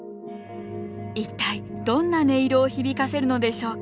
一体どんな音色を響かせるのでしょうか。